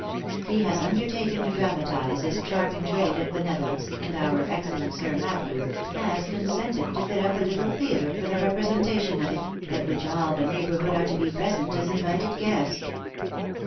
He has undertaken to dramatize this charming trait of benevolence, and our excellent Sir Matthew, has consented to tit up a little theatre for the representation of it, at which all the neighbourhood are to be present as invited guests."